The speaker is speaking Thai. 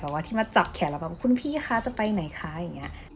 แต่ว่าที่มาจับแขนเราแบบว่าคุณพี่คะจะไปไหนคะอย่างนี้